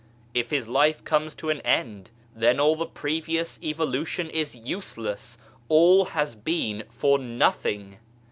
If his life comes to an end, then all the previous evolution is useless, all has been for nothing